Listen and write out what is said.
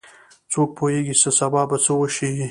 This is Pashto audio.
څوک پوهیږي چې سبا به څه وشي